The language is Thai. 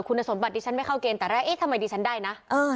คุณสมบัติดิฉันไม่เข้าเกณฑ์แต่แรกเอ๊ะทำไมดิฉันได้นะ